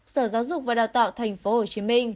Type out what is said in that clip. sở giáo dục và đào tạo tp hcm